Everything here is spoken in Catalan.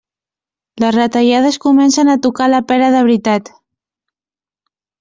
Les retallades comencen a tocar la pera de veritat.